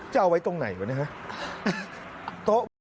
จะเอาไว้ตรงไหนกว่านี้คะ